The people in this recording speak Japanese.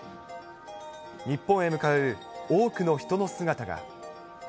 日本へ向かう多くの人の姿が。